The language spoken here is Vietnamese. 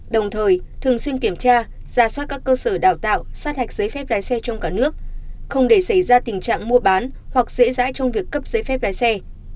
đồng thời thường xuyên kiểm tra ra soát các cơ sở đào tạo sát hạch giấy phép lái xe trong cả nước không để xảy ra tình trạng mua bán hoặc dễ dãi trong việc cấp giấy phép lái xe